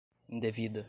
indevida